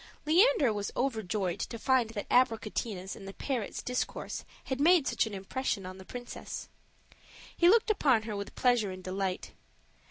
Leander was overjoyed to find that Abricotina's and the parrot's discourse had made such an impression on the princess. He looked upon her with pleasure and delight.